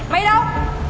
mày đi đâu